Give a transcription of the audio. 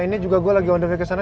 ini juga gue lagi ondengnya ke sana